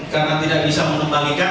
karena tidak bisa menembalikan